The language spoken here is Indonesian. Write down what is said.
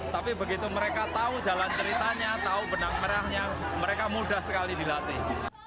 tapi begitu mereka tahu jalan ceritanya tahu benang merahnya mereka mudah sekali dilatih